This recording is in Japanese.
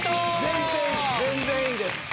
全然いいです。